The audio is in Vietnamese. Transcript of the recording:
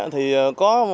thì chúng tôi cũng phát huy